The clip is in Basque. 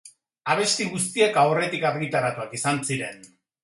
Abesti guztiak aurretik argitaratuak izan ziren.